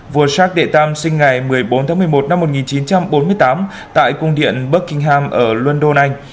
vua charles iii sinh ngày một mươi bốn tháng một mươi một năm một nghìn chín trăm bốn mươi tám tại cung điện buckingham ở london anh